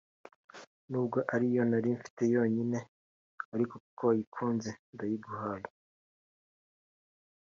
Nubwo ari yo nari mfite yonyine ariko kuko wayikunze ndayiguhaye